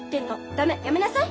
駄目やめなさい。